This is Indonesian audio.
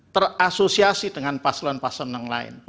terasosiasi dengan paslon paslon yang lain